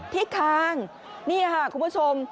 คางนี่ค่ะคุณผู้ชม